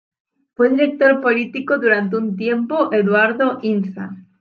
Fue director político durante un tiempo Eduardo Inza.